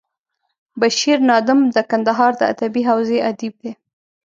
بشیر نادم د کندهار د ادبي حوزې ادیب دی.